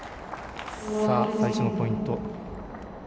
最初のポイント